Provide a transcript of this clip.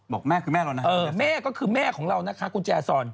บอกแม่คือแม่เรานะแต่แม่ก็คือแม่ของเรานะคะกุญแจซอน